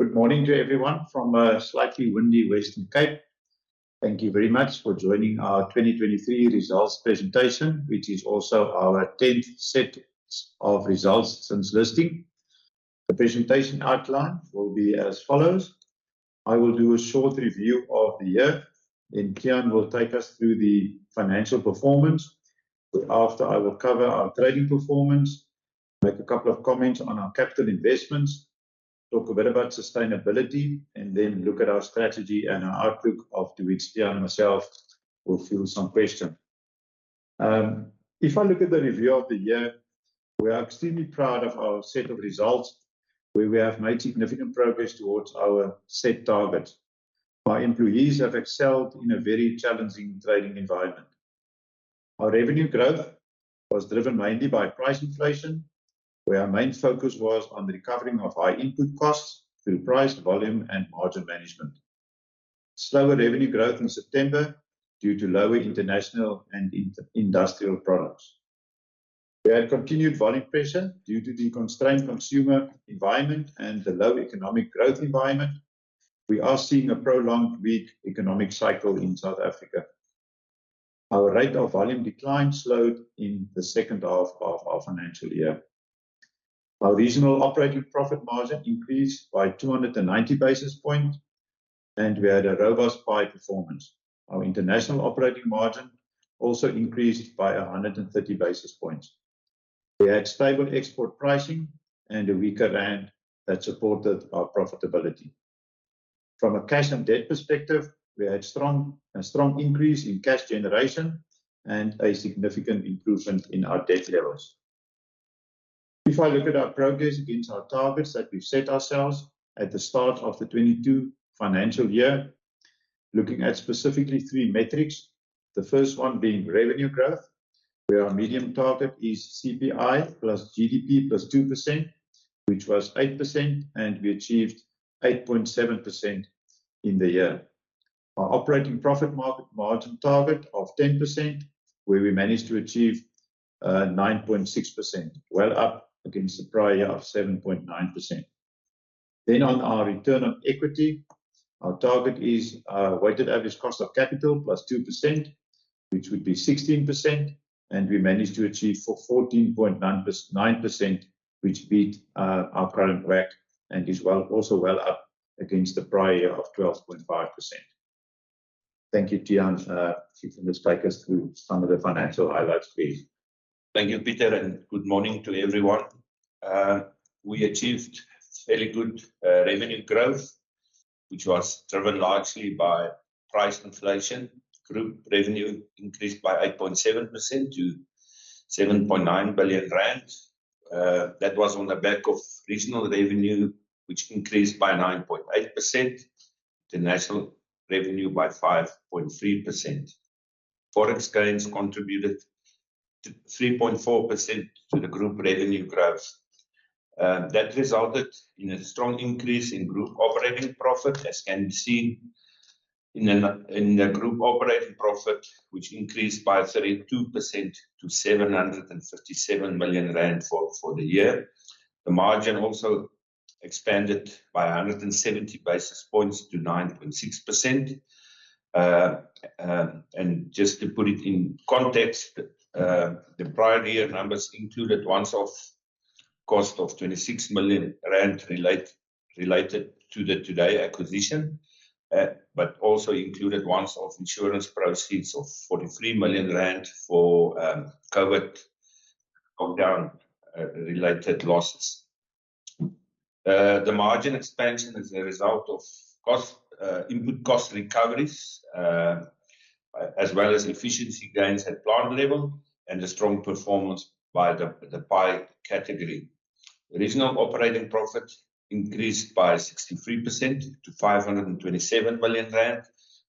Good morning to everyone from slightly windy Western Cape. Thank you very much for joining our 2023 results presentation, which is also our tenth set of results since listing. The presentation outline will be as follows: I will do a short review of the year, then Tiaan will take us through the financial performance. After, I will cover our trading performance, make a couple of comments on our capital investments, talk a bit about sustainability, and then look at our strategy and our outlook. After which Tiaan and myself will field some questions. If I look at the review of the year, we are extremely proud of our set of results, where we have made significant progress towards our set targets. Our employees have excelled in a very challenging trading environment. Our revenue growth was driven mainly by price inflation, where our main focus was on the recovering of high input costs through price, volume, and margin management. Slower revenue growth in September due to lower international and inter-industrial products. We had continued volume pressure due to the constrained consumer environment and the low economic growth environment. We are seeing a prolonged weak economic cycle in South Africa. Our rate of volume decline slowed in the second half of our financial year. Our regional operating profit margin increased by 290 basis points, and we had a robust pie performance. Our international operating margin also increased by 130 basis points. We had stable export pricing and a weaker rand that supported our profitability. From a cash and debt perspective, we had a strong increase in cash generation and a significant improvement in our debt levels. If I look at our progress against our targets that we've set ourselves at the start of the 2022 financial year, looking at specifically three metrics, the first one being revenue growth, where our medium target is CPI + GDP + 2%, which was 8%, and we achieved 8.7% in the year. Our operating profit margin target of 10%, where we managed to achieve 9.6%, well up against the prior year of 7.9%. Then on our return on equity, our target is weighted average cost of capital plus 2%, which would be 16%, and we managed to achieve 14.9%, which beat our current WACC and is also well up against the prior year of 12.5%. Thank you, Tiaan. You can just take us through some of the financial highlights, please. Thank you, Pieter, and good morning to everyone. We achieved fairly good revenue growth, which was driven largely by price inflation. Group revenue increased by 8.7% to 7.9 billion rand. That was on the back of regional revenue, which increased by 9.8%, the national revenue by 5.3%. Forex gains contributed to 3.4% to the group revenue growth. That resulted in a strong increase in group operating profit, as can be seen in the group operating profit, which increased by 32% to 757 million rand for the year. The margin also expanded by 170 basis points to 9.6%. And just to put it in context, the prior year numbers included once-off cost of 26 million rand related to the Today acquisition, but also included once-off insurance proceeds of 43 million rand for COVID lockdown related losses. The margin expansion is a result of input cost recoveries, as well as efficiency gains at plant level and the strong performance by the pie category. Regional operating profit increased by 63% to 527 million rand.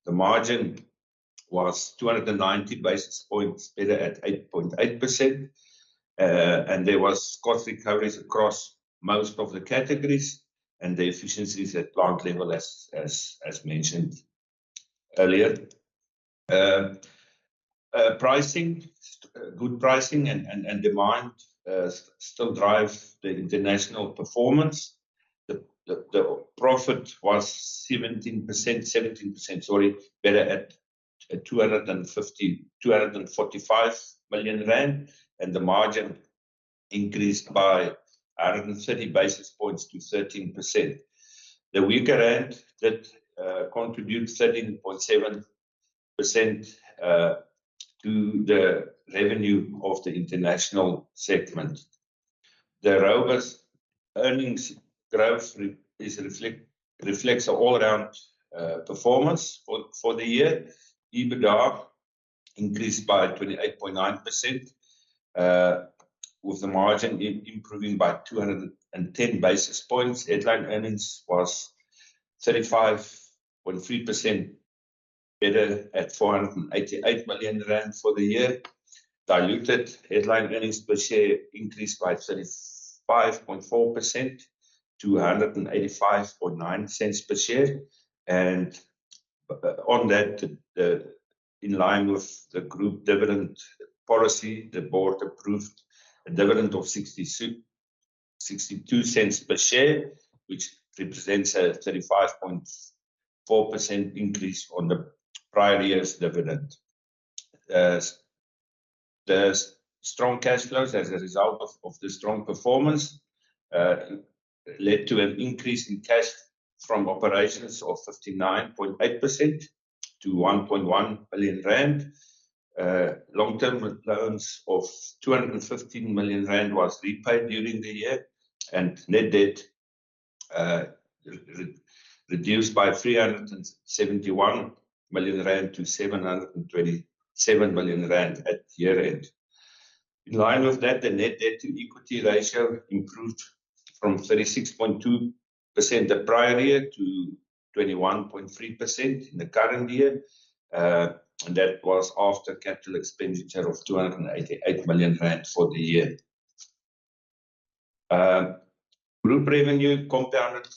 The margin was 290 basis points better at 8.8%. And there was cost recoveries across most of the categories and the efficiencies at plant level as mentioned earlier. Good pricing and demand still drive the international performance. The profit was 17%, sorry, better at 245 million rand, and the margin increased by 130 basis points to 13%. The weaker rand that contributes 13.7% to the revenue of the international segment. The robust earnings growth reflects all around performance for the year. EBITDA increased by 28.9%, with the margin improving by 210 basis points. Headline earnings was 35.3% better at 488 million rand for the year. Diluted headline earnings per share increased by 35.4% to 1.859 per share. And on that, in line with the group dividend policy, the board approved a dividend of 0.62 per share, which represents a 35.4% increase on the prior year's dividend. The strong cash flows as a result of the strong performance led to an increase in cash from operations of 59.8% to 1.1 billion rand. Long-term loans of 215 million rand was repaid during the year, and net debt reduced by 371 million rand to 727 million rand at year-end. In line with that, the net debt to equity ratio improved from 36.2% the prior year to 21.3% in the current year. And that was after capital expenditure of 288 million rand for the year. Group revenue compounded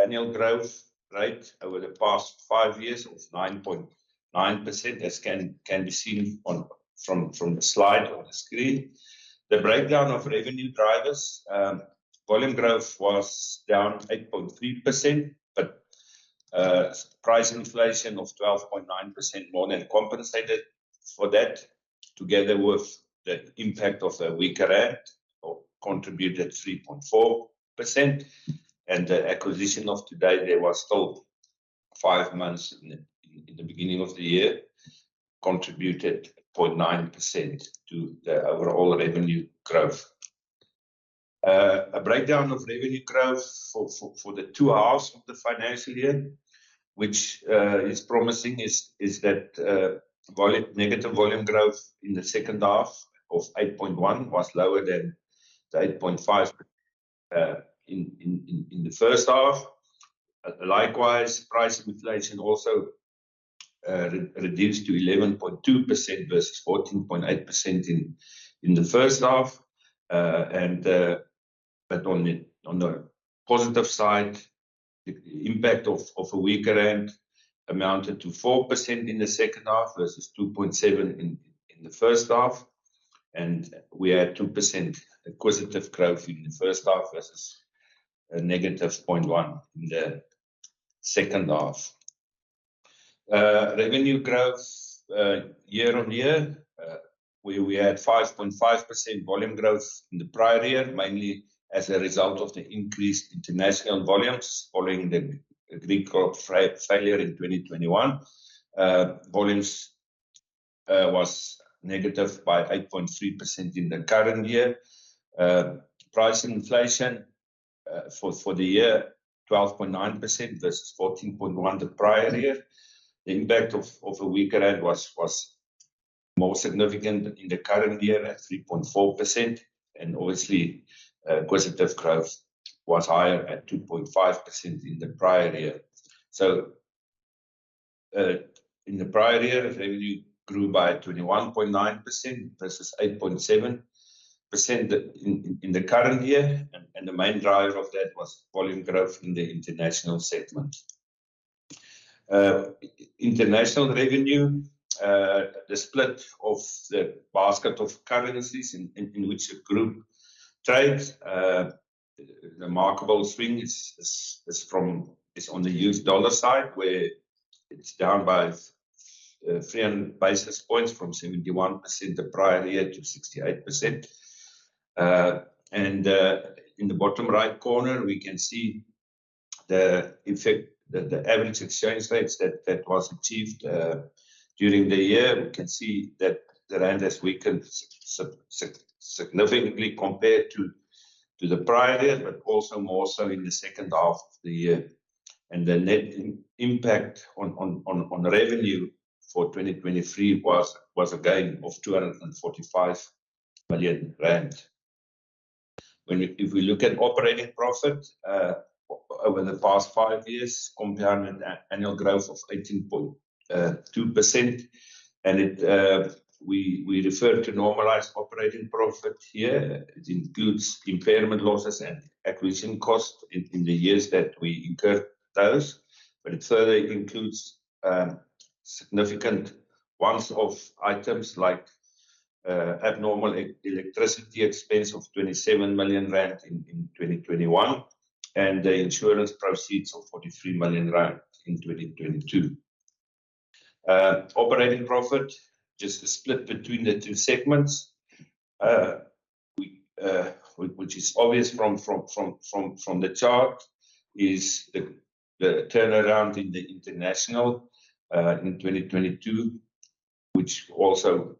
annual growth rate over the past five years of 9.9%, as can be seen from the slide on the screen. The breakdown of revenue drivers, volume growth was down 8.3%, but price inflation of 12.9% more than compensated for that, together with the impact of the weaker rand, or contributed 3.4%. And the acquisition of Today, there was still five months in the beginning of the year, contributed 0.9% to the overall revenue growth. A breakdown of revenue growth for the two halves of the financial year, which is promising, is that negative volume growth in the second half of 8.1 was lower than the 8.5 in the first half. Likewise, price inflation also reduced to 11.2% versus 14.8% in the first half. But on the positive side, the impact of a weaker rand amounted to 4% in the second half versus 2.7 in the first half, and we had 2% acquisitive growth in the first half versus a negative 0.1 in the second half. Revenue growth, year-on-year, we had 5.5% volume growth in the prior year, mainly as a result of the increased international volumes following the agricultural failure in 2021. Volumes was negative by 8.3% in the current year. Price inflation, for the year, 12.9% versus 14.1% the prior year. The impact of a weaker rand was more significant in the current year, at 3.4%, and obviously, acquisitive growth was higher at 2.5% in the prior year. So, in the prior year, revenue grew by 21.9% versus 8.7% in the current year, and the main driver of that was volume growth in the international segment. International revenue, the split of the basket of currencies in which the group trades, the remarkable swing is on the US dollar side, where it's down by 300 basis points from 71% the prior year to 68%. In the bottom right corner, we can see the effect of the average exchange rates that was achieved during the year. We can see that the rand has weakened significantly compared to the prior year, but also more so in the second half of the year. The net impact on revenue for 2023 was a gain of 245 million rand. If we look at operating profit over the past five years, compounded annual growth of 18.2%, and we refer to normalized operating profit here. It includes impairment losses and acquisition costs in the years that we incurred those, but it further includes significant once-off items like abnormal electricity expense of 27 million rand in 2021, and the insurance proceeds of 43 million rand in 2022. Operating profit, just a split between the two segments, which is obvious from the chart, is the turnaround in the international in 2022, which also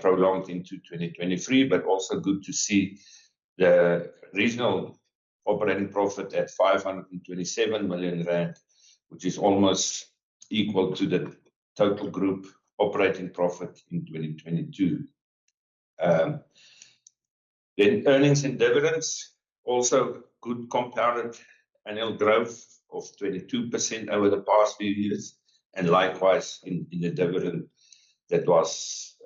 prolonged into 2023. But also good to see the regional operating profit at 527 million rand, which is almost equal to the total group operating profit in 2022. Then earnings and dividends, also good compounded annual growth of 22% over the past few years, and likewise in the dividend that was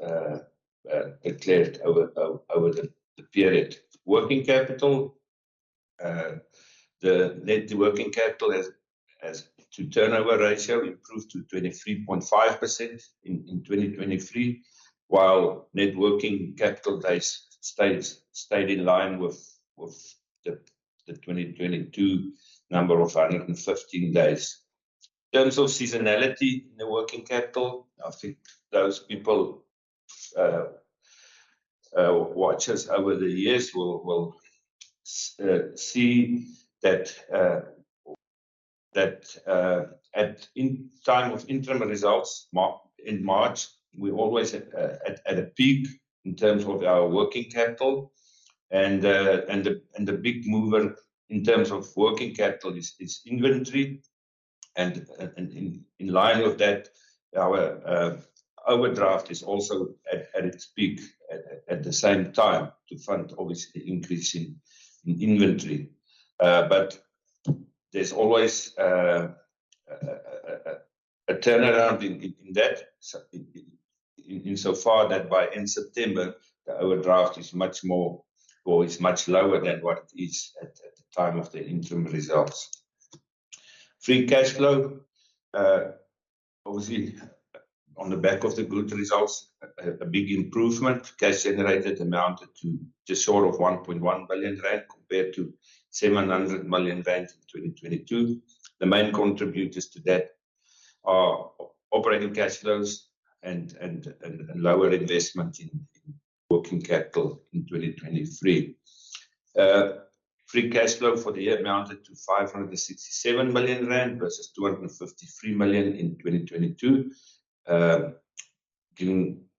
declared over the period. Working capital? The net working capital as to turnover ratio improved to 23.5% in 2023, while net working capital days stayed in line with the 2022 number of 115 days. In terms of seasonality in the working capital, I think those people watch us over the years will see that at the time of interim results in March, we always at a peak in terms of our working capital. And the big mover in terms of working capital is inventory. In line with that, our overdraft is also at its peak at the same time to fund obviously the increase in inventory. But there's always a turnaround in that, so insofar that by September, the overdraft is much more or is much lower than what it is at the time of the interim results. Free cash flow, obviously on the back of the good results, a big improvement. Cash generated amounted to just short of 1.1 billion rand, compared to 700 million rand in 2022. The main contributors to that are operating cash flows and lower investment in working capital in 2023. Free cash flow for the year amounted to 567 million rand versus 253 million in 2022,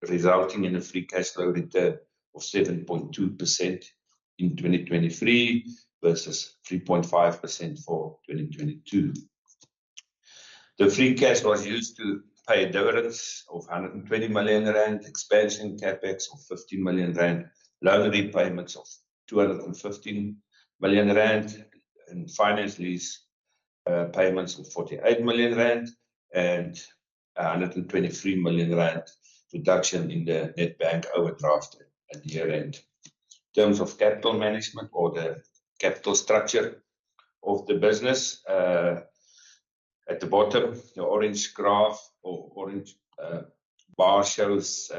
resulting in a free cash flow return of 7.2% in 2023 versus 3.5% for 2022. The free cash was used to pay dividends of 120 million rand, expansion CapEx of 50 million rand, loan repayments of 215 million rand, and finance lease payments of 48 million rand, and a 123 million rand reduction in the net bank overdraft at year-end. In terms of capital management or the capital structure of the business, at the bottom, the orange graph or orange bar shows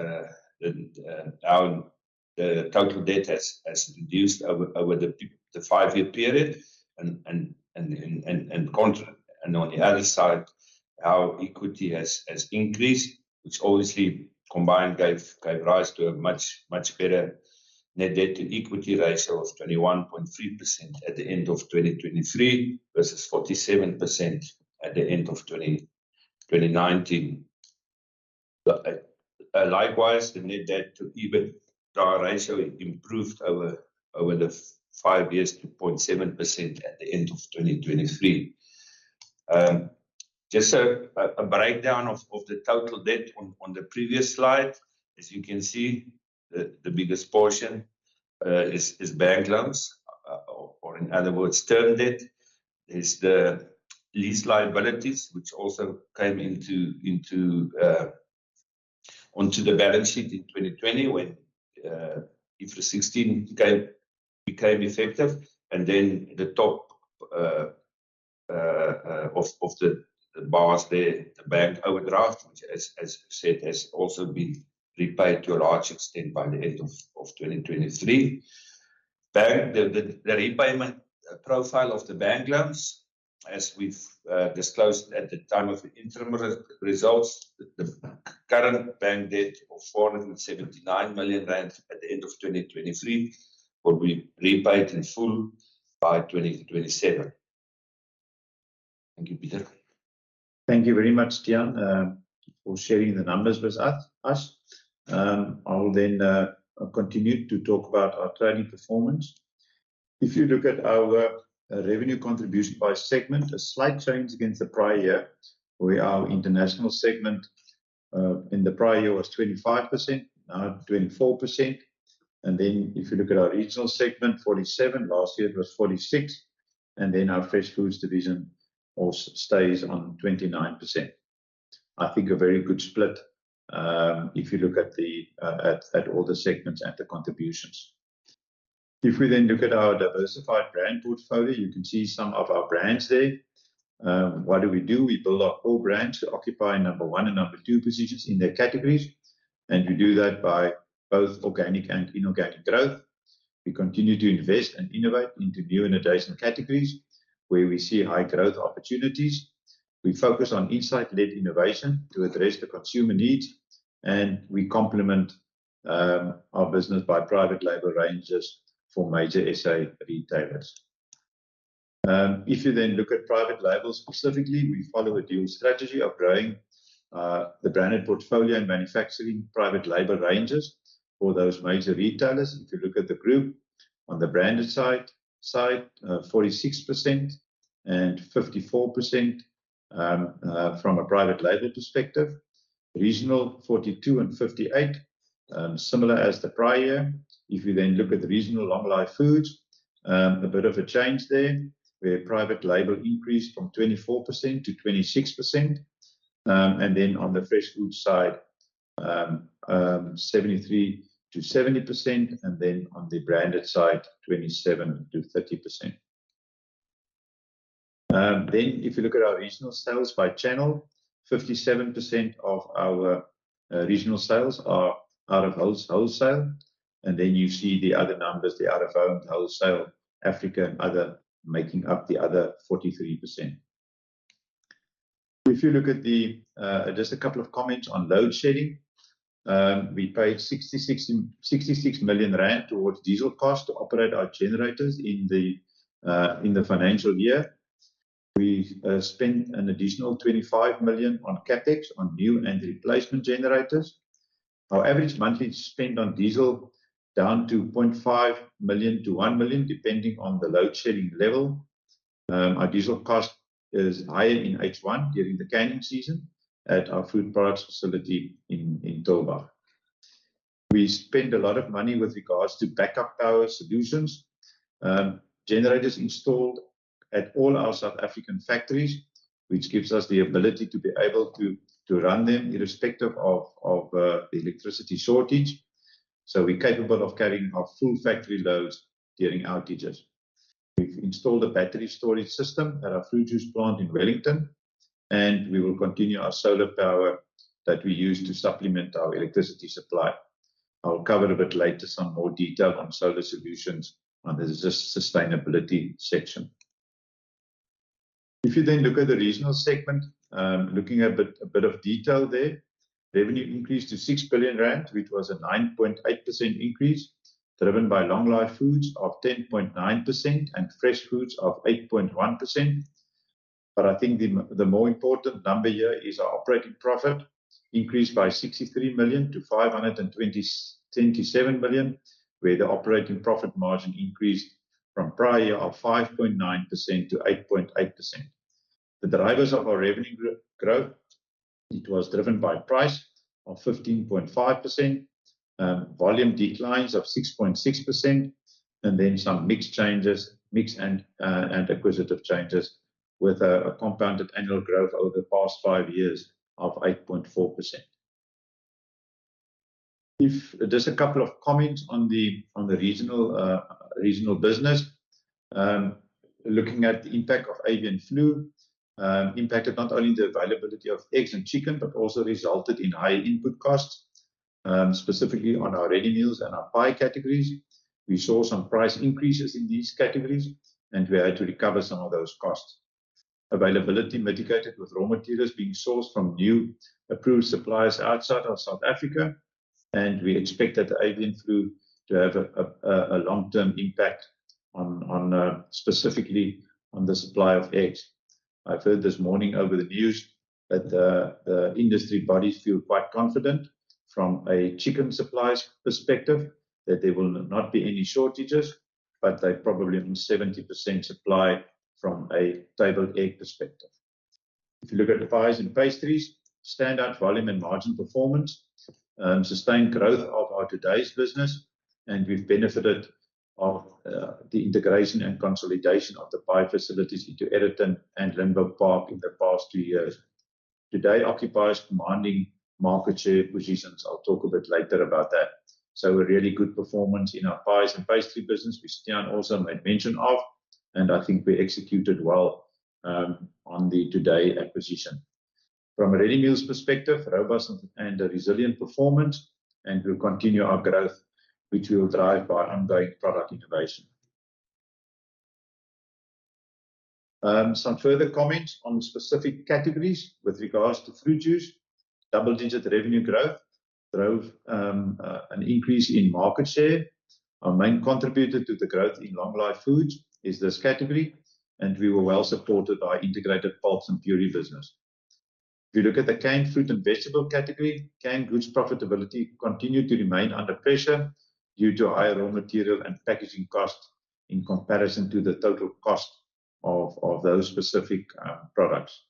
how the total debt has reduced over the five-year period, and contrary. On the other side, how equity has increased, which obviously combined gave rise to a much better net debt to equity ratio of 21.3% at the end of 2023, versus 47% at the end of 2019. Likewise, the net debt to EBITDA ratio improved over the five years to 0.7% at the end of 2023. Just a breakdown of the total debt on the previous slide. As you can see, the biggest portion is bank loans, or in other words, term debt. There's the lease liabilities, which also came into onto the balance sheet in 2020 when IFRS 16 became effective. Then the top of the bars there, the bank overdraft, which, as said, has also been repaid to a large extent by the end of 2023. The repayment profile of the bank loans, as we've disclosed at the time of the interim results, the current bank debt of 479 million rand at the end of 2023, will be repaid in full by 2027. Thank you, Pieter. Thank you very much, Tiaan, for sharing the numbers with us. I will then continue to talk about our trading performance. If you look at our revenue contribution by segment, a slight change against the prior year, where our international segment in the prior year was 25%, now 24%. Then if you look at our regional segment, 47, last year it was 46. Then our fresh foods division also stays on 29%. I think a very good split, if you look at all the segments and the contributions. If we then look at our diversified brand portfolio, you can see some of our brands there. What do we do? We build our core brands to occupy number 1 and number 2 positions in their categories, and we do that by both organic and inorganic growth. We continue to invest and innovate into new and adjacent categories where we see high growth opportunities. We focus on insight-led innovation to address the consumer needs, and we complement our business by private label ranges for major SA retailers. If you then look at private labels specifically, we follow a dual strategy of growing the branded portfolio and manufacturing private label ranges for those major retailers. If you look at the group, on the branded side, 46% and 54%, from a private label perspective. Regional 42 and 58, similar as the prior year. If you then look at the regional long-life foods, a bit of a change there, where private label increased from 24% to 26%. And then on the fresh food side, 73% to 70%, and then on the branded side, 27% to 30%. Then if you look at our regional sales by channel, 57% of our regional sales are out of house wholesale, and then you see the other numbers, the out of home wholesale, Africa and other, making up the other 43%. If you look at the... Just a couple of comments on load shedding. We paid 66, 66 million towards diesel cost to operate our generators in the financial year. We spent an additional 25 million on CapEx on new and replacement generators. Our average monthly spend on diesel down to 0.5 million-1 million, depending on the load shedding level. Our diesel cost is higher in H1 during the canning season at our food products facility in Tulbagh. We spend a lot of money with regards to backup power solutions. Generators installed at all our South African factories, which gives us the ability to run them irrespective of the electricity shortage. So we're capable of carrying our full factory loads during outages. We've installed a battery storage system at our fruit juice plant in Wellington, and we will continue our solar power that we use to supplement our electricity supply. I'll cover a bit later, some more detail on solar solutions under the sustainability section. If you then look at the regional segment, looking at a bit of detail there, revenue increased to 6 billion rand, which was a 9.8% increase, driven by long life foods of 10.9% and fresh foods of 8.1%. But I think the more important number here is our operating profit increased by 63 million to 527 million, where the operating profit margin increased from prior year of 5.9% to 8.8%. The drivers of our revenue growth, it was driven by price of 15.5%, volume declines of 6.6%, and then some mix changes and acquisitive changes with a compounded annual growth over the past five years of 8.4%. Just a couple of comments on the regional business. Looking at the impact of avian flu, impacted not only the availability of eggs and chicken, but also resulted in higher input costs, specifically on our ready meals and our pie categories. We saw some price increases in these categories, and we had to recover some of those costs. Availability mitigated with raw materials being sourced from new approved suppliers outside of South Africa, and we expect that the avian flu to have a long-term impact on, specifically on the supply of eggs. I've heard this morning over the news that the industry bodies feel quite confident from a chicken supply perspective, that there will not be any shortages, but they're probably on 70% supply from a table egg perspective. If you look at the pies and pastries, standout volume and margin performance, sustained growth of our Today's business, and we've benefited of the integration and consolidation of the pie facilities into Aeroton and Linbro Park in the past two years. Today occupies commanding market share positions. I'll talk a bit later about that. So a really good performance in our pies and pastry business, which Tiaan also made mention of, and I think we executed well on the Today's acquisition. From a ready meals perspective, robust and a resilient performance, and we'll continue our growth, which we will drive by ongoing product innovation. Some further comments on specific categories with regards to fruit juice. Double-digit revenue growth drove an increase in market share. Our main contributor to the growth in long life foods is this category, and we were well supported by integrated pulps and purees business. If you look at the canned fruit and vegetable category, canned goods profitability continued to remain under pressure due to higher raw material and packaging costs in comparison to the total cost of those specific products.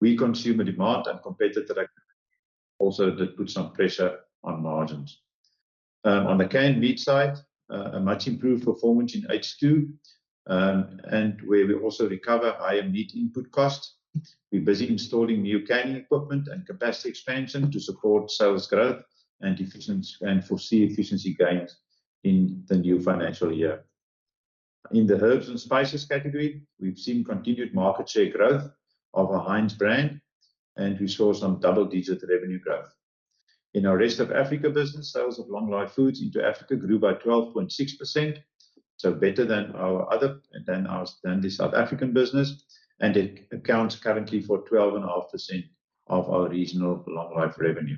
We saw consumer demand and competitor activity also put some pressure on margins. On the canned meat side, a much improved performance in H2, and we also recovered higher meat input costs. We're busy installing new canning equipment and capacity expansion to support sales growth and efficiency and we foresee efficiency gains in the new financial year. In the herbs and spices category, we've seen continued market share growth of our Hinds brand, and we saw some double-digit revenue growth. In our rest of Africa business, sales of long life foods into Africa grew by 12.6%, so better than the South African business, and it accounts currently for 12.5% of our regional long life revenue.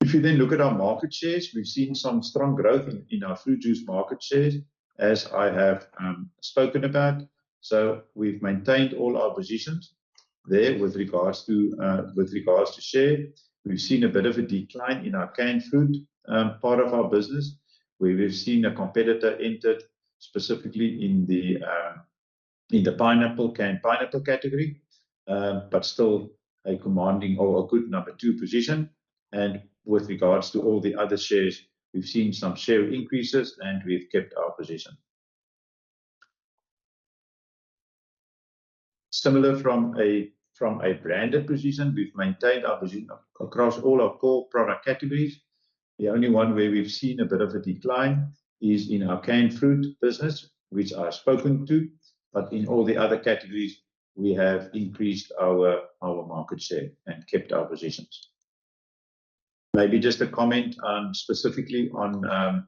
If you then look at our market shares, we've seen some strong growth in our fruit juice market shares, as I have spoken about. So we've maintained all our positions there with regards to share. We've seen a bit of a decline in our canned food part of our business, where we've seen a competitor entered specifically in the pineapple, canned pineapple category, but still a commanding or a good number two position. And with regards to all the other shares, we've seen some share increases, and we've kept our position. Similarly from a branded position, we've maintained our position across all our core product categories. The only one where we've seen a bit of a decline is in our canned fruit business, which I've spoken to, but in all the other categories, we have increased our market share and kept our positions. Maybe just a comment on specifically on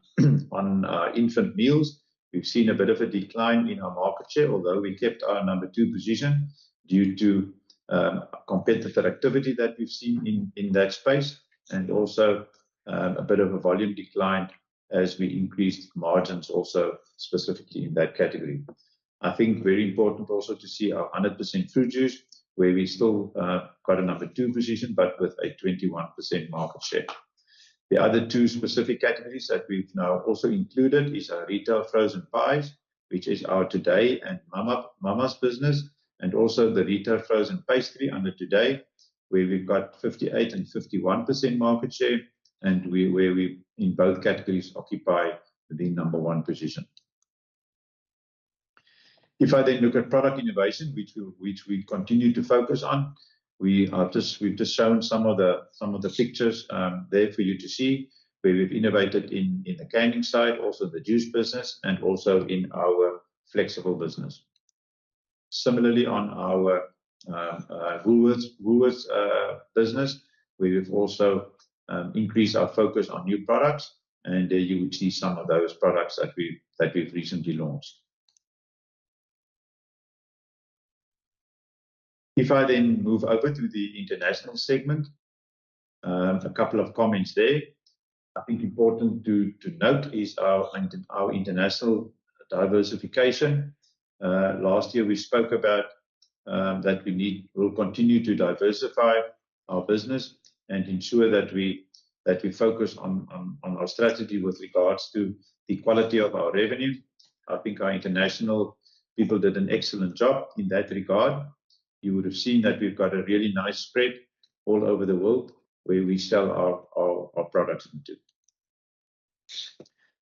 infant meals. We've seen a bit of a decline in our market share, although we kept our number two position due to competitor activity that we've seen in that space, and also a bit of a volume decline as we increased margins also specifically in that category. I think very important also to see our 100% fruit juice, where we still got a number two position, but with a 21% market share. The other two specific categories that we've now also included is our retail frozen pies, which is our Today and Mama's business, and also the retail frozen pastry under Today, where we've got 58% and 51% market share, and where we, in both categories, occupy the number one position. If I then look at product innovation, which we continue to focus on, we've just shown some of the pictures there for you to see, where we've innovated in the canning side, also the juice business, and also in our flexible business. Similarly, on our Woolworths business, we've also increased our focus on new products, and there you would see some of those products that we've recently launched. If I then move over to the international segment, a couple of comments there. I think important to note is our international diversification. Last year we spoke about that we'll continue to diversify our business and ensure that we focus on our strategy with regards to the quality of our revenue. I think our international people did an excellent job in that regard. You would have seen that we've got a really nice spread all over the world where we sell our products into.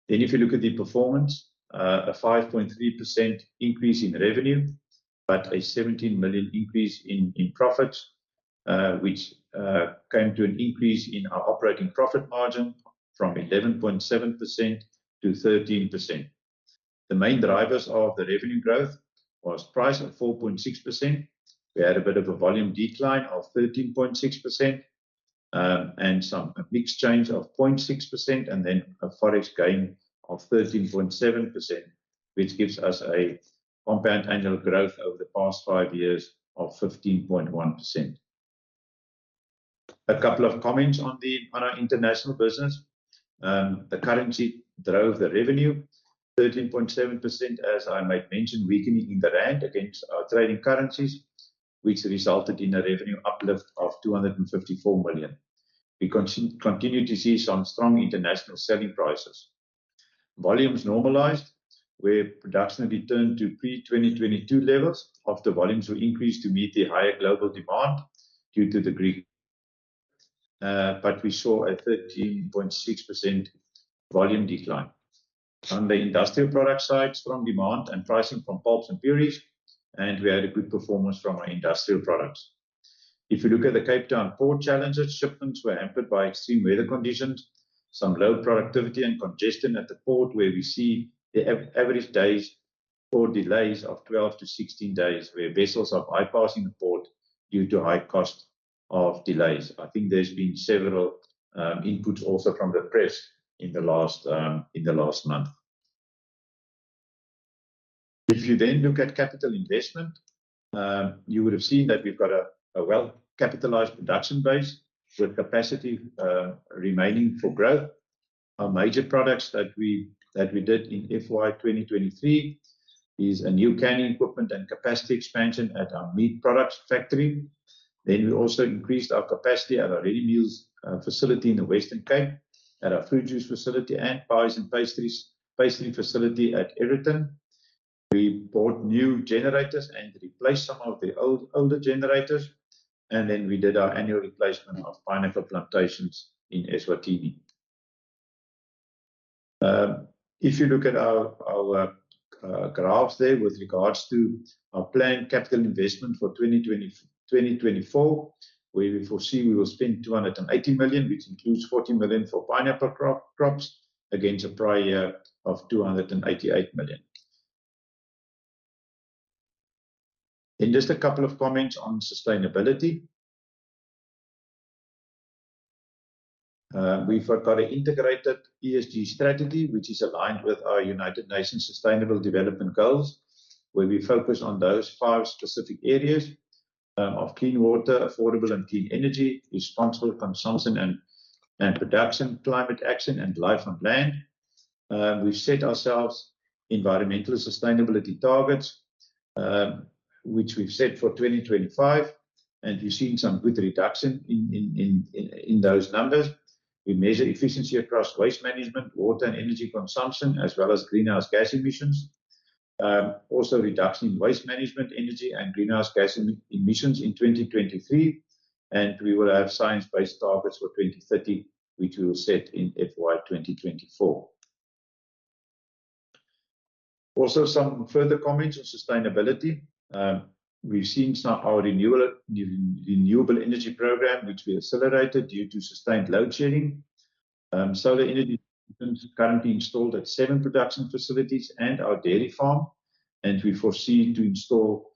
Then if you look at the performance, a 5.3% increase in revenue, but a 17 million increase in profit, which came to an increase in our operating profit margin from 11.7% to 13%. The main drivers of the revenue growth was price of 4.6%. We had a bit of a volume decline of 13.6%, and some mix change of 0.6%, and then a Forex gain of 13.7%, which gives us a compound annual growth over the past five years of 15.1%. A couple of comments on our international business. The currency drove the revenue 13.7%, as I might mention, weakening in the rand against our trading currencies, which resulted in a revenue uplift of 254 million. We continue to see some strong international selling prices. Volumes normalized, where production returned to pre-2022 levels after volumes were increased to meet the higher global demand due to the Greek. But we saw a 13.6% volume decline. On the industrial product side, strong demand and pricing from pulps and purées, and we had a good performance from our industrial products. If you look at the Cape Town port challenges, shipments were hampered by extreme weather conditions, some low productivity and congestion at the port, where we see the average days port delays of 12-16 days, where vessels are bypassing the port due to high cost of delays. I think there's been several inputs also from the press in the last, in the last month. If you then look at capital investment, you would have seen that we've got a well-capitalized production base with capacity remaining for growth. Our major products that we did in FY 2023 is a new canning equipment and capacity expansion at our meat products factory. Then we also increased our capacity at our ready meals facility in the Western Cape, at our fruit juice facility, and pies and pastries, pastry facility at Aeroton. We bought new generators and replaced some of the old, older generators, and then we did our annual replacement of pineapple plantations in Eswatini. If you look at our graphs there with regards to our planned capital investment for 2020, 2024, where we foresee we will spend 280 million, which includes 40 million for pineapple crops, against a prior year of 288 million. And just a couple of comments on sustainability. We've got an integrated ESG strategy, which is aligned with our United Nations Sustainable Development Goals, where we focus on those five specific areas of clean water, affordable and clean energy, responsible consumption and production, climate action, and life on land. We've set ourselves environmental sustainability targets, which we've set for 2025, and we've seen some good reduction in those numbers. We measure efficiency across waste management, water and energy consumption, as well as greenhouse gas emissions. Also reduction in waste management, energy, and greenhouse gas emissions in 2023 and we will have science-based targets for 2030, which we will set in FY 2024. Also, some further comments on sustainability. We've seen some of our renewable energy program, which we accelerated due to sustained load shedding. Solar energy systems are currently installed at seven production facilities and our dairy farm, and we foresee to install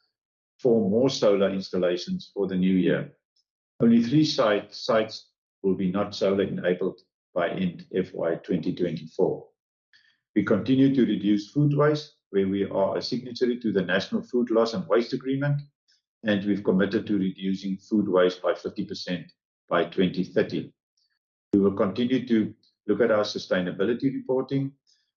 four more solar installations for the new year. Only three sites will be not solar-enabled by end FY 2024. We continue to reduce food waste, where we are a signatory to the National Food Loss and Waste Agreement, and we've committed to reducing food waste by 50% by 2030. We will continue to look at our sustainability reporting,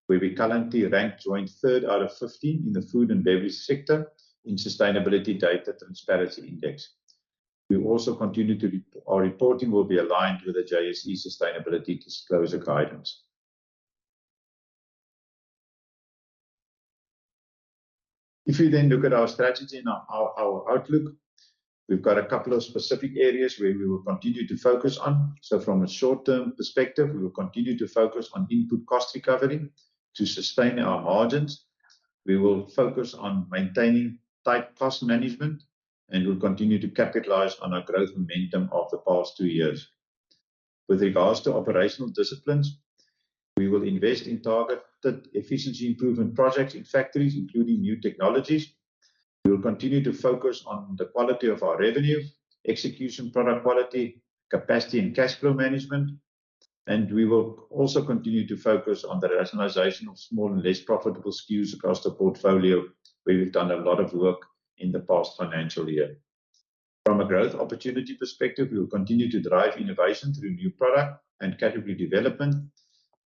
where we currently rank joint third out of 50 in the food and beverage sector in Sustainability Data Transparency Index. We also continue to our reporting will be aligned with the JSE Sustainability Disclosure Guidelines. If you then look at our strategy and our outlook, we've got a couple of specific areas where we will continue to focus on. So from a short-term perspective, we will continue to focus on input cost recovery to sustain our margins. We will focus on maintaining tight cost management, and we'll continue to capitalize on our growth momentum of the past two years. With regards to operational disciplines, we will invest in targeted efficiency improvement projects in factories, including new technologies. We will continue to focus on the quality of our revenue, execution, product quality, capacity, and cash flow management, and we will also continue to focus on the rationalization of small and less profitable SKUs across the portfolio, where we've done a lot of work in the past financial year. From a growth opportunity perspective, we will continue to drive innovation through new product and category development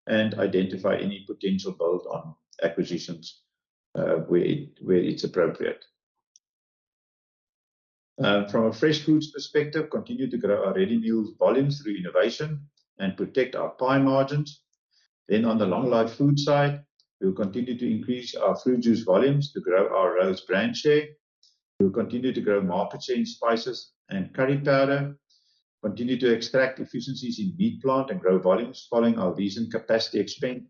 and identify any potential build on acquisitions, where it's appropriate. From a fresh foods perspective, continue to grow our ready meals volumes through innovation and protect our pie margins. Then on the long life food side, we will continue to increase our fruit juice volumes to grow our Rhodes brand share. We'll continue to grow market share in spices and curry powder, continue to extract efficiencies in meat plant, and grow volumes following our recent capacity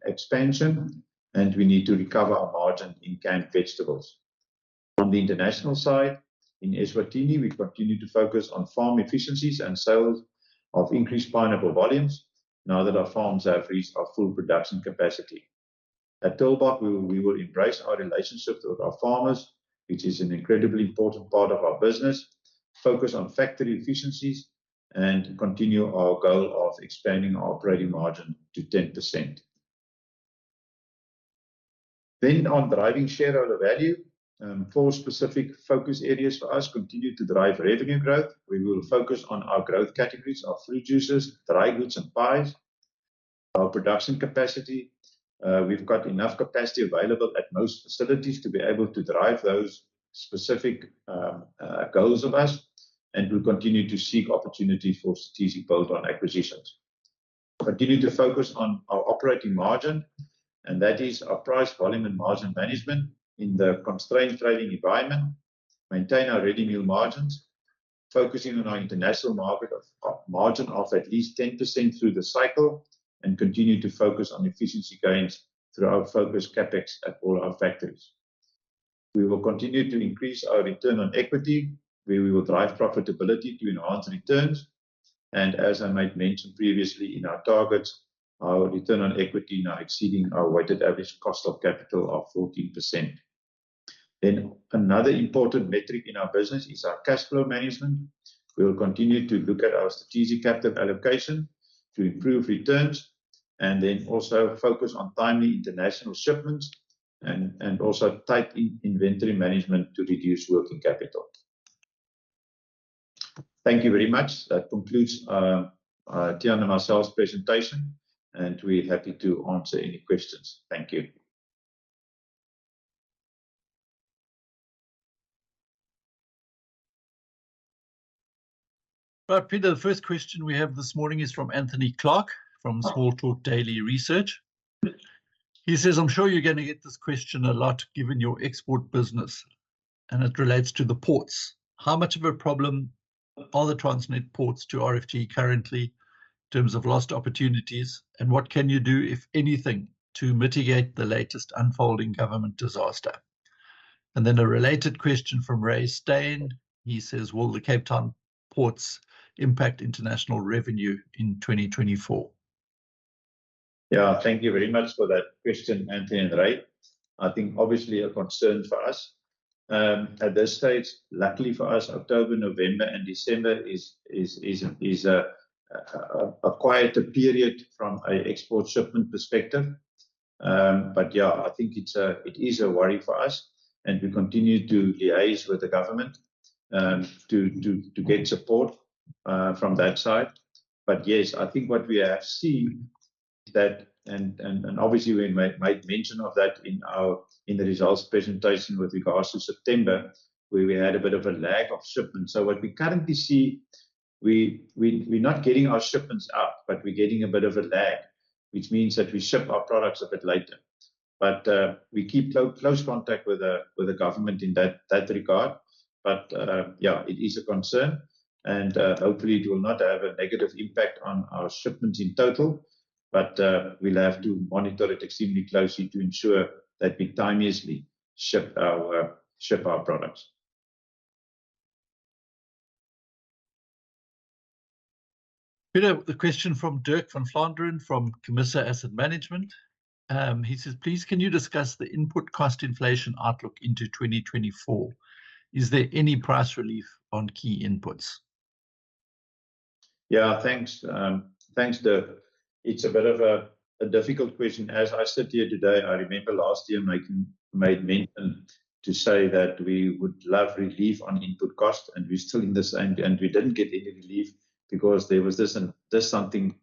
expansion, and we need to recover our margin in canned vegetables. On the international side, in Eswatini, we continue to focus on farm efficiencies and sales of increased pineapple volumes now that our farms have reached our full production capacity. At Tulbagh, we will embrace our relationships with our farmers, which is an incredibly important part of our business, focus on factory efficiencies, and continue our goal of expanding our operating margin to 10%. Then on driving shareholder value, four specific focus areas for us continue to drive revenue growth. We will focus on our growth categories, our fruit juices, dry goods, and pies. Our production capacity, we've got enough capacity available at most facilities to be able to drive those specific goals of ours, and we'll continue to seek opportunities for strategic build on acquisitions. Continue to focus on our operating margin, and that is our price, volume, and margin management in the constrained trading environment. Maintain our ready meal margins, focusing on our international market of margin of at least 10% through the cycle, and continue to focus on efficiency gains through our focused CapEx at all our factories. We will continue to increase our return on equity, where we will drive profitability to enhance returns. As I made mention previously in our targets, our return on equity now exceeding our weighted average cost of capital of 14%. Another important metric in our business is our cash flow management. We will continue to look at our strategic capital allocation to improve returns, and then also focus on timely international shipments and also tight inventory management to reduce working capital. Thank you very much. That concludes, Tiaan and myself's presentation, and we're happy to answer any questions. Thank you. Right, Pieter, the first question we have this morning is from Anthony Clark from Small Talk Daily Research. He says: I'm sure you're gonna get this question a lot, given your export business, and it relates to the ports. How much of a problem are the Transnet Ports to RFG currently in terms of lost opportunities? And what can you do, if anything, to mitigate the latest unfolding government disaster? And then a related question from Ray Stain. He says: Will the Cape Town ports impact international revenue in 2024? Yeah, thank you very much for that question, Anthony and Ray. I think obviously a concern for us. At this stage, luckily for us, October, November, and December is a quieter period from an export shipment perspective. But yeah, I think it's a—it is a worry for us, and we continue to liaise with the government to get support from that side. But yes, I think what we have seen that, and obviously we made mention of that in our results presentation with regards to September, where we had a bit of a lag of shipments. So what we currently see, we're not getting our shipments out, but we're getting a bit of a lag, which means that we ship our products a bit later. But we keep close contact with the government in that regard. But yeah, it is a concern, and hopefully it will not have a negative impact on our shipments in total. But we'll have to monitor it extremely closely to ensure that we timeously ship our products. Pieter, the question from Dirk van Vlaanderen from Camissa Asset Management. He says, "Please can you discuss the input cost inflation outlook into 2024? Is there any price relief on key inputs? Yeah, thanks. Thanks, Dirk. It's a bit of a difficult question. As I sit here today, I remember last year made mention to say that we would love relief on input cost, and we're still in the same. We didn't get any relief because there was this and there's something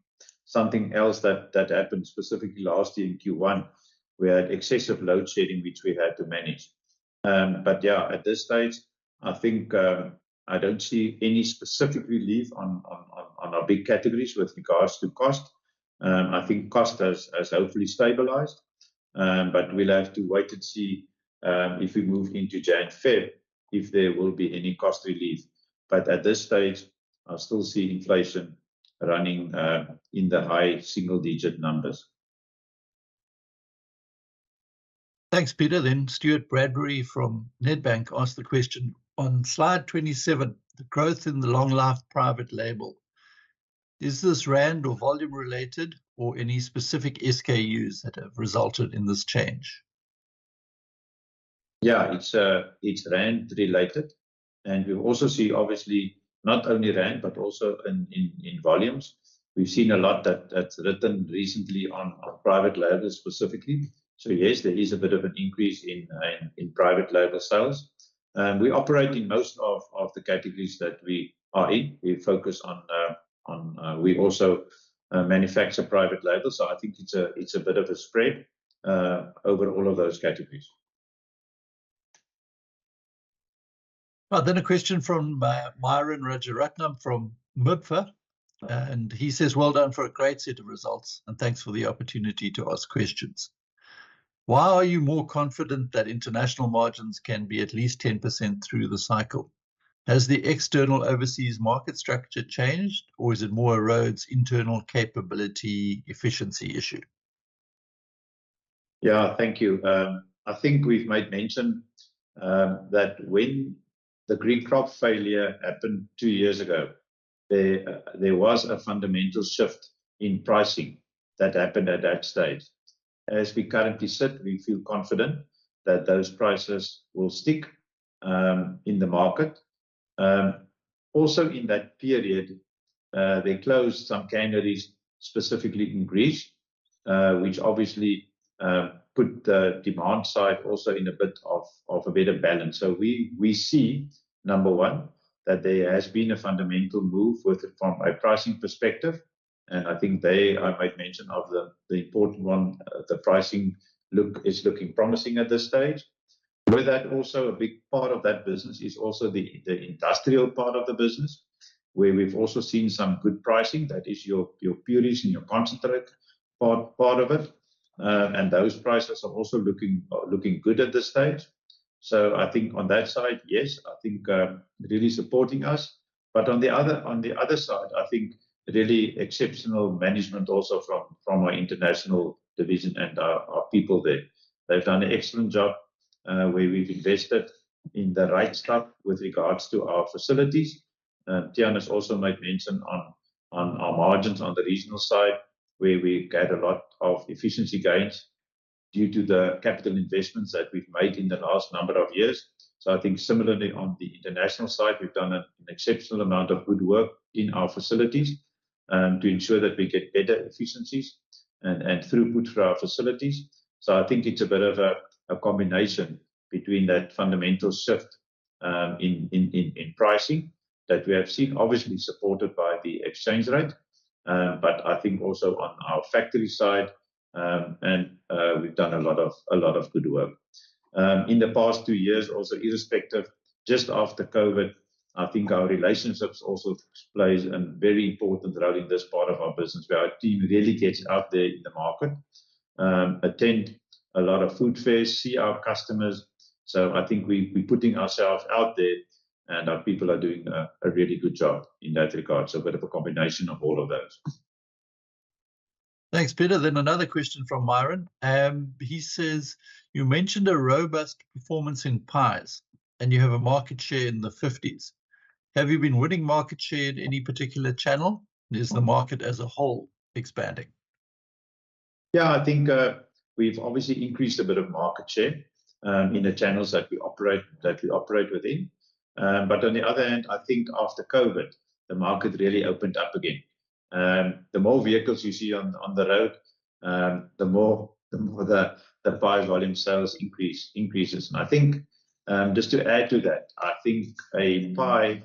else that happened specifically last year in Q1, we had excessive load shedding, which we had to manage. But yeah, at this stage, I think I don't see any specific relief on our big categories with regards to cost. I think cost has hopefully stabilized. But we'll have to wait and see if we move into January, February, if there will be any cost relief. But at this stage, I still see inflation running in the high single-digit numbers. Thanks, Pieter. Then Stuart Bradbury from Nedbank asked the question: "On slide 27, the growth in the long life private label, is this rand or volume related, or any specific SKUs that have resulted in this change? Yeah, it's rand related. And we also see, obviously, not only rand, but also in volumes. We've seen a lot that's written recently on private label specifically. So yes, there is a bit of an increase in private label sales. We operate in most of the categories that we are in. We focus on... We also manufacture private label, so I think it's a bit of a spread over all of those categories. Well, then a question from Myuran Rajaratnam from MIBFA, and he says, "Well done for a great set of results, and thanks for the opportunity to ask questions. Why are you more confident that international margins can be at least 10% through the cycle? Has the external overseas market structure changed, or is it more a Rhodes internal capability efficiency issue? Yeah, thank you. I think we've made mention that when the green crop failure happened two years ago, there was a fundamental shift in pricing that happened at that stage. As we currently sit, we feel confident that those prices will stick in the market. Also, in that period, they closed some wineries, specifically in Greece, which obviously put the demand side also in a bit of a better balance. So we see, number one, that there has been a fundamental move with it from a pricing perspective, and I think they, I might mention, of the important one, the pricing is looking promising at this stage. With that, also a big part of that business is the industrial part of the business, where we've also seen some good pricing. That is your, your purees and your concentrate part, part of it. And those prices are also looking, looking good at this stage. So I think on that side, yes, I think, really supporting us, but on the other, on the other side, I think really exceptional management also from, from our international division and our, our people there. They've done an excellent job, where we've invested in the right stuff with regards to our facilities. And Tiaan also made mention on, on our margins on the regional side, where we get a lot of efficiency gains due to the capital investments that we've made in the last number of years. So I think similarly, on the international side, we've done an exceptional amount of good work in our facilities, to ensure that we get better efficiencies and, and through put for our facilities. So I think it's a bit of a combination between that fundamental shift in pricing that we have seen, obviously supported by the exchange rate. But I think also on our factory side, and we've done a lot of, a lot of good work in the past two years, also irrespective just after COVID. I think our relationships also plays a very important role in this part of our business, where our team really gets out there in the market, attend a lot of food fairs, see our customers. So I think we're putting ourselves out there, and our people are doing a really good job in that regard. So a bit of a combination of all of those. Thanks, Pieter. Then another question from Myuran, he says: "You mentioned a robust performance in pies, and you have a market share in the fifties. Have you been winning market share in any particular channel? Is the market as a whole expanding? Yeah, I think, we've obviously increased a bit of market share in the channels that we operate within. But on the other hand, I think after COVID, the market really opened up again. The more vehicles you see on the road, the more the pie volume sales increases. And I think, just to add to that, I think a pie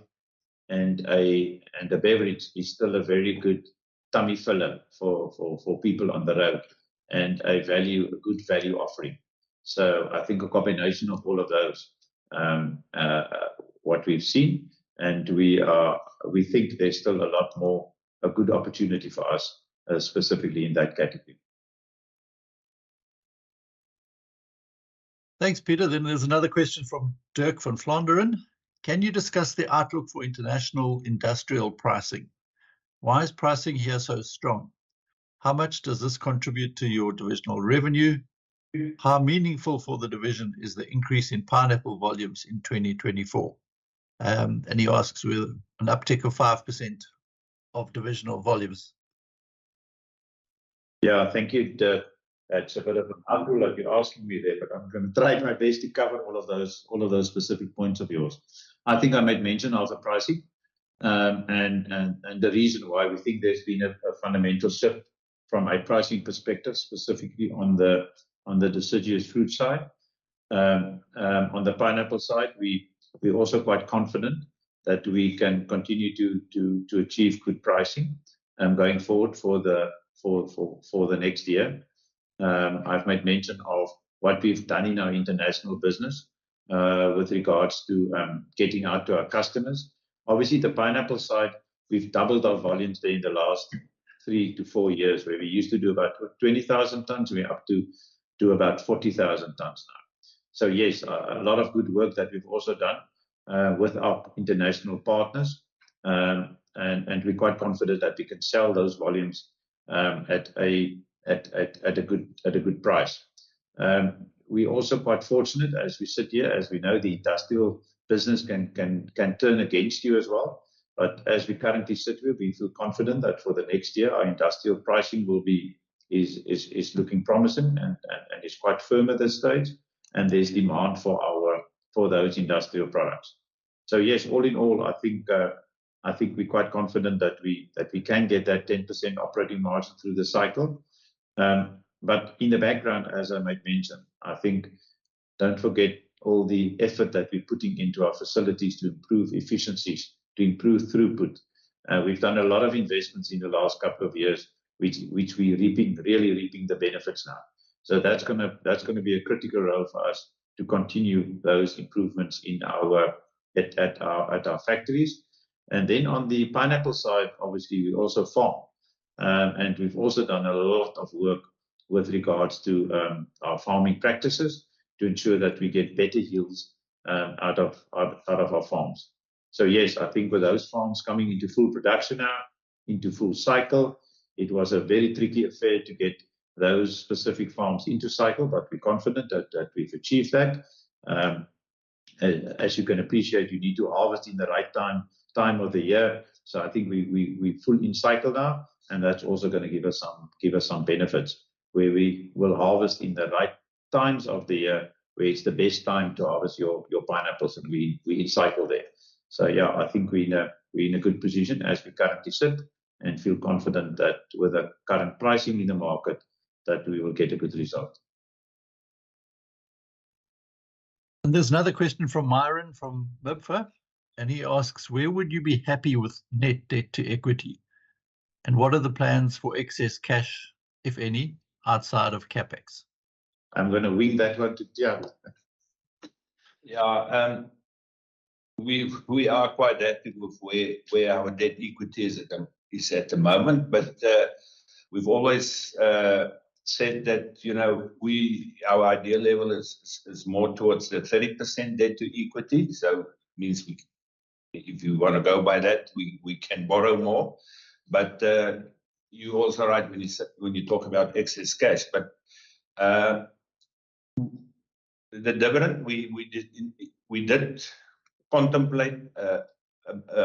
and a beverage is still a very good tummy filler for people on the road, and a good value offering. So I think a combination of all of those, what we've seen, and we think there's still a lot more, a good opportunity for us, specifically in that category. Thanks, Pieter. Then there's another question from Dirk van Vlaanderen: "Can you discuss the outlook for international industrial pricing? Why is pricing here so strong? How much does this contribute to your divisional revenue? How meaningful for the division is the increase in pineapple volumes in 2024?" And he asks with an uptick of 5% of divisional volumes. Yeah, thank you, Dirk. That's a bit of an uphill that you're asking me there, but I'm gonna try my best to cover all of those specific points of yours. I think I made mention of the pricing, and the reason why we think there's been a fundamental shift from a pricing perspective, specifically on the deciduous fruit side. On the pineapple side, we're also quite confident that we can continue to achieve good pricing going forward for the next year. I've made mention of what we've done in our international business, with regards to getting out to our customers. Obviously, the pineapple side we've doubled our volumes there in the last 3-4 years, where we used to do about 20,000 tons, we're up to about 40,000 tons now. So yes, a lot of good work that we've also done with our international partners. And we're quite confident that we can sell those volumes at a good price. We're also quite fortunate as we sit here, as we know, the industrial business can turn against you as well. But as we currently sit here, we feel confident that for the next year, our industrial pricing will be looking promising and is quite firm at this stage, and there's demand for our for those industrial products. So yes, all in all, I think, I think we're quite confident that we, that we can get that 10% operating margin through the cycle. But in the background, as I made mention, I think don't forget all the effort that we're putting into our facilities to improve efficiencies, to improve throughput. We've done a lot of investments in the last couple of years, which, which we reaping, really reaping the benefits now. So that's gonna, that's gonna be a critical role for us to continue those improvements at our factories. And then on the pineapple side, obviously, we also farm. And we've also done a lot of work with regards to, our farming practices to ensure that we get better yields, out of our farms. So yes, I think with those farms coming into full production now, into full cycle, it was a very tricky affair to get those specific farms into cycle, but we're confident that we've achieved that. As you can appreciate, you need to harvest in the right time, time of the year. So I think we're fully in cycle now, and that's also gonna give us some benefits, where we will harvest in the right times of the year, where it's the best time to harvest your pineapples, and we're in cycle there. So yeah, I think we're in a good position as we currently sit, and feel confident that with the current pricing in the market, that we will get a good result. There's another question from Myuran from MIBFA, and he asks: "Where would you be happy with net debt to equity? And what are the plans for excess cash, if any, outside of CapEx? I'm gonna wing that one to Tiaan. Yeah, we are quite happy with where our debt equity is at the moment, but we've always said that, you know, our ideal level is more towards the 30% debt to equity. So means we, if you wanna go by that, we can borrow more. But you're also right when you talk about excess cash. But the dividend, we didn't contemplate a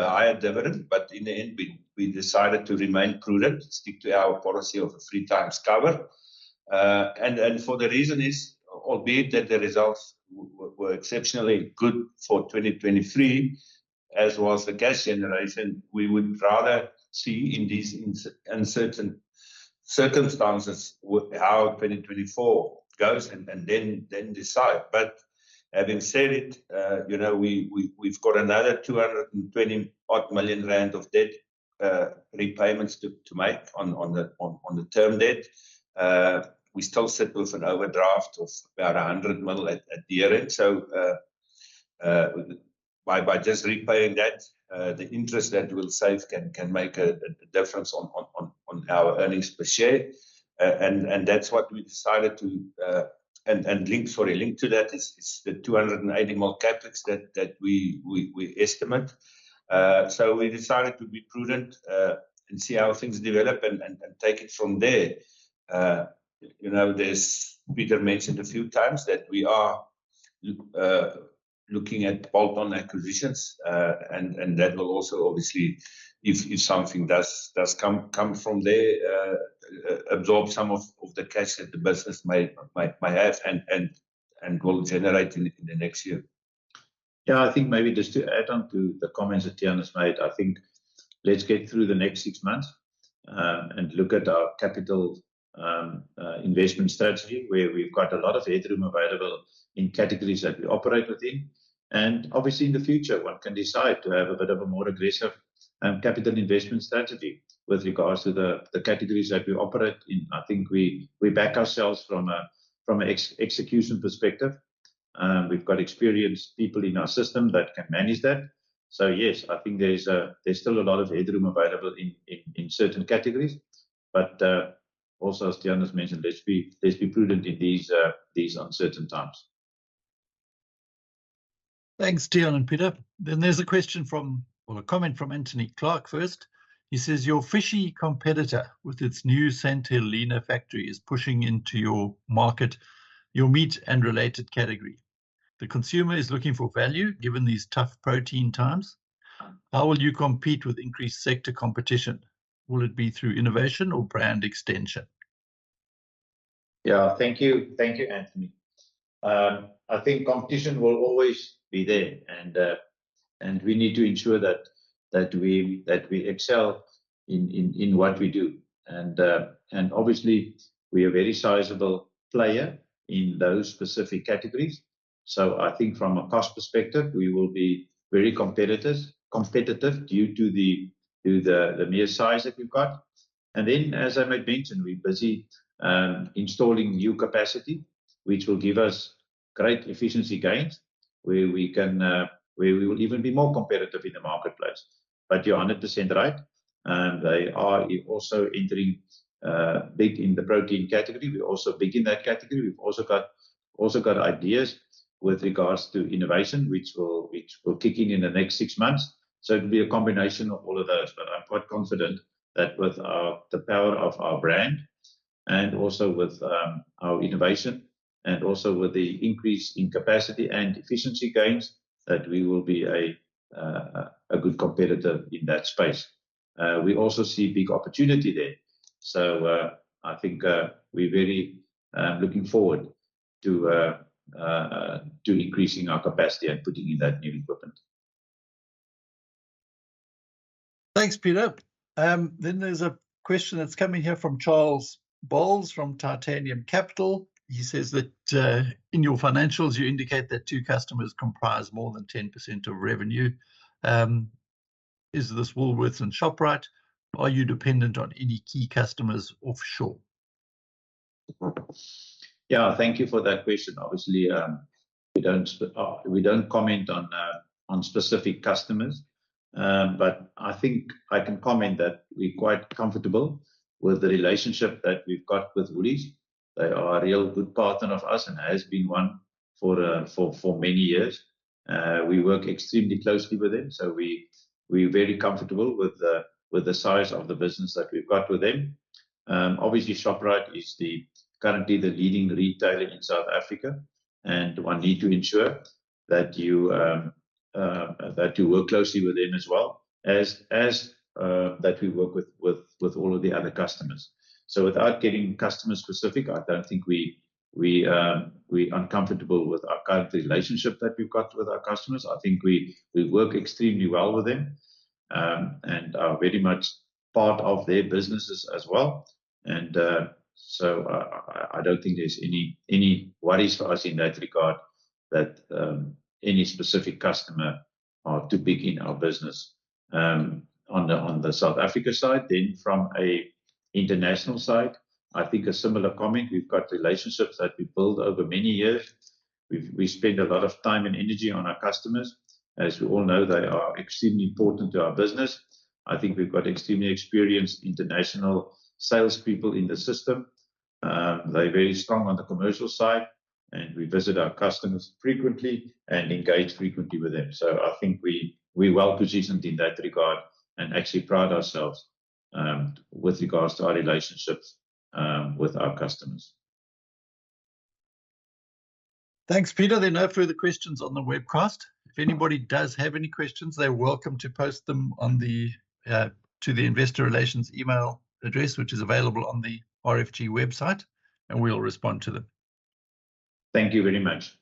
higher dividend, but in the end, we decided to remain prudent, stick to our policy of 3 times cover. And for the reason is, albeit that the results were exceptionally good for 2023, as was the cash generation, we would rather see in these uncertain circumstances how 2024 goes and then decide. But having said it, you know, we've got another 220 million rand of debt repayments to make on the term debt. We still sit with an overdraft of about 100 million at the end. So, by just repaying that, the interest that we'll save can make a difference on our earnings per share. And that's what we decided to. And linked, for a link to that is the 280 more CapEx that we estimate. So we decided to be prudent and see how things develop and take it from there. You know, there's Pieter mentioned a few times that we are looking at bolt-on acquisitions, and that will also obviously, if something does come from there, absorb some of the cash that the business may have and will generate in the next year. Yeah, I think maybe just to add on to the comments that Tiaan has made, I think let's get through the next six months, and look at our capital investment strategy, where we've got a lot of headroom available in categories that we operate within. And obviously, in the future, one can decide to have a bit of a more aggressive capital investment strategy with regards to the categories that we operate in. I think we back ourselves from an execution perspective. We've got experienced people in our system that can manage that. So, yes, I think there's still a lot of headroom available in certain categories. But also, as Tiaan has mentioned, let's be prudent in these uncertain times. Thanks, Tiaan and Pieter. Then there's a question from... Well, a comment from Anthony Clark first. He says: "Your fishy competitor, with its new St Helena Factory, is pushing into your market, your meat and related category. The consumer is looking for value, given these tough protein times. How will you compete with increased sector competition? Will it be through innovation or brand extension? Yeah. Thank you, thank you, Anthony. I think competition will always be there, and we need to ensure that we excel in what we do. And obviously, we are a very sizable player in those specific categories. So I think from a cost perspective, we will be very competitive due to the mere size that we've got. And then, as I made mention, we're busy installing new capacity, which will give us great efficiency gains, where we will even be more competitive in the marketplace. But you're 100% right, they are also entering big in the protein category. We're also big in that category. We've also got ideas with regards to innovation, which will kick in in the next six months. So it'll be a combination of all of those, but I'm quite confident that with our, the power of our brand, and also with, our innovation, and also with the increase in capacity and efficiency gains, that we will be a, a good competitor in that space. We also see big opportunity there. So, I think, we're very, looking forward to, to increasing our capacity and putting in that new equipment. Thanks, Pieter. Then there's a question that's coming here from Charles Bowles from Titanium Capital. He says that, "In your financials, you indicate that two customers comprise more than 10% of revenue. Is this Woolworths and Shoprite? Are you dependent on any key customers offshore? Yeah, thank you for that question. Obviously, we don't comment on specific customers. But I think I can comment that we're quite comfortable with the relationship that we've got with Woolies. They are a real good partner of ours and has been one for many years. We work extremely closely with them, so we're very comfortable with the size of the business that we've got with them. Obviously, Shoprite is currently the leading retailer in South Africa, and one need to ensure that you work closely with them as well as that we work with all of the other customers. So without getting customer-specific, I don't think we're uncomfortable with our current relationship that we've got with our customers. I think we work extremely well with them, and are very much part of their businesses as well. And so I don't think there's any worries for us in that regard that any specific customer are too big in our business, on the South Africa side. Then from a international side, I think a similar comment, we've got relationships that we built over many years. We spend a lot of time and energy on our customers. As we all know, they are extremely important to our business. I think we've got extremely experienced international salespeople in the system. They're very strong on the commercial side, and we visit our customers frequently and engage frequently with them. So I think we, we're well positioned in that regard, and actually pride ourselves, with regards to our relationships, with our customers. Thanks, Pieter. There are no further questions on the webcast. If anybody does have any questions, they're welcome to post them on the, to the Investor Relations email address, which is available on the RFG website, and we'll respond to them. Thank you very much.